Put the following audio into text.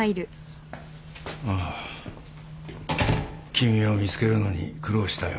君を見つけるのに苦労したよ。